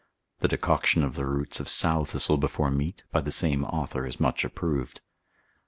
The decoction of the roots of sowthistle before meat, by the same author is much approved.